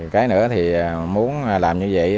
cái nữa thì muốn làm như vậy